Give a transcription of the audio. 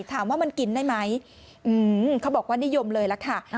ถามว่ามันกินได้ไหมเขาบอกว่านิยมเลยล่ะค่ะ